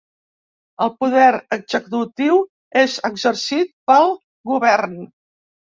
El poder executiu és exercit pel Govern.